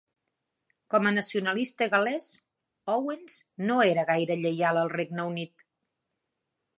Com a nacionalista gal·lès, Owens no era gaire lleial al Regne Unit.